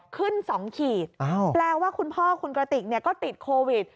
ขึ้น๒ขีดแปลว่าคุณพ่อคุณกระติกก็ติดโควิด